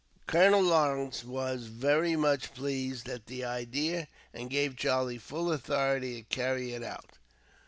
Colonel Lawrence was very much pleased at the idea, and gave Charlie full authority to carry it out.